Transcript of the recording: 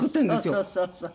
そうそうそうそう。